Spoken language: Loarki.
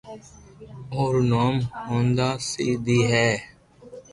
او رو نوم ھونڌا سي دي ھي